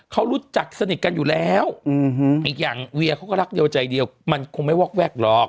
เขารู้จักสนิทกันอยู่แล้วอีกอย่างเวียเขาก็รักเดียวใจเดียวมันคงไม่วอกแวกหรอก